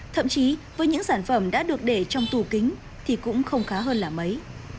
thậm chí với những sản phẩm đã được để trong tủ kính thì cũng không khá hơn là mấy